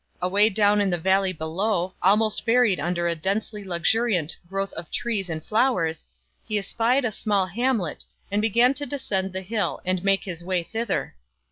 Away down in the valley below, almost buried under a densely luxuriant growth of trees and flowers, he espied a small hamlet, and began to descend the hill and make his way thither.